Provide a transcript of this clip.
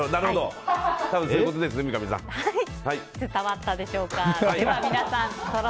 伝わったでしょうか。